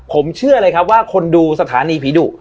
ผมเชื่อเลยครับว่าคนดูสถานีผีดุ